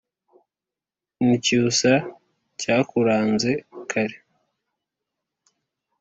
N'Icyusa cyakuranze kare